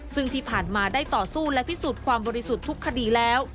ซึ่งที่ผ่านมาได้ต่อสู้และพิสูจน์ความบริสุทธิ์ทุกคดีแล้ว